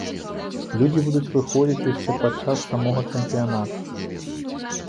Людзі будуць выходзіць яшчэ пад час самога чэмпіянату.